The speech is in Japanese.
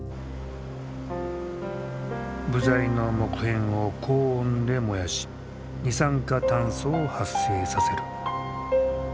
部材の木片を高温で燃やし二酸化炭素を発生させる。